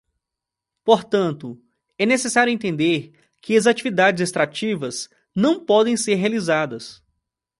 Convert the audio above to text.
Portanto, é necessário entender que as atividades extrativas não podem ser realizadas.